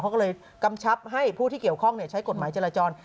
เขาก็เลยกำชับให้ผู้ที่เกี่ยวข้องใช้กฎหมายจราจร